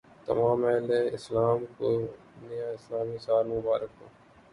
تمام اہل اسلام کو نیا اسلامی سال مبارک ہو